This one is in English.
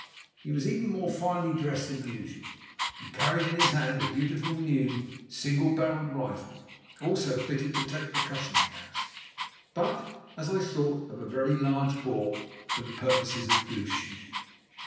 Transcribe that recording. He was even more finely dressed than usual and carried in his hand a beautiful new, single barrelled rifle, also fitted to take percussion caps, but, as I thought, of a very large bore for the purpose of goose shooting.